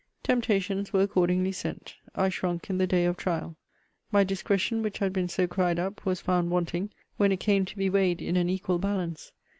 Temptations were accordingly sent. I shrunk in the day of trial. My discretion, which had been so cried up, was found wanting when it came to be weighed in an equal balance.